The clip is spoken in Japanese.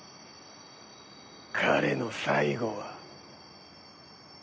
彼の最期は。